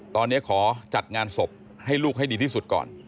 ตอนนี้ขอจัดงานศพให้ลูกให้ดีที่สุดก่อน